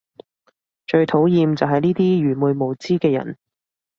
最討厭就係呢啲愚昧無知嘅人